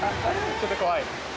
ちょっと怖い？